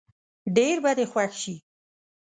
ډېر به دې خوښ شي.